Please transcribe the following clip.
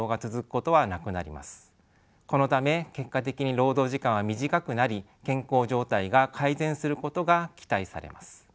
このため結果的に労働時間は短くなり健康状態が改善することが期待されます。